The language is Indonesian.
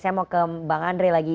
saya mau ke bang andre lagi